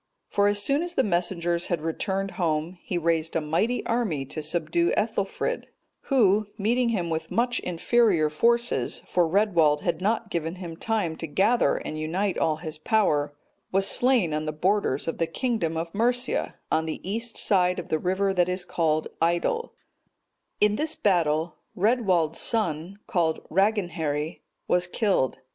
For as soon as the messengers had returned home, he raised a mighty army to subdue Ethelfrid; who, meeting him with much inferior forces, (for Redwald had not given him time to gather and unite all his power,) was slain on the borders of the kingdom of Mercia, on the east side of the river that is called Idle.(229) In this battle, Redwald's son, called Raegenheri, was killed.